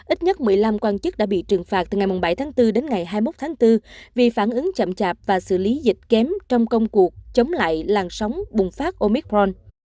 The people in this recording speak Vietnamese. ít nhất một mươi năm quan chức đã bị trừng phạt từ ngày bảy tháng bốn đến ngày hai mươi một tháng bốn vì phản ứng chậm chạp và xử lý dịch kém trong công cuộc chống lại làn sóng bùng phát omicron